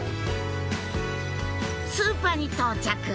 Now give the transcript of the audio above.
スーパーに到着